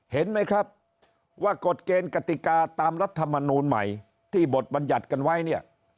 เห็นไหมครับว่ากฎเกณฑ์กติกาตามรัฐมนูลใหม่ที่บทบรรยัติกันไว้เนี่ย